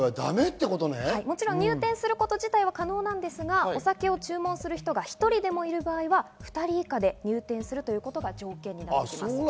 入店すること自体は可能ですが、お酒を注文する人が１人でもいる場合は２人以下で入店するということが条件です。